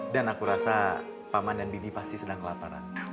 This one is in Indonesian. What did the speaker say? dan aku rasa paman dan bibi pasti sedang kelaparan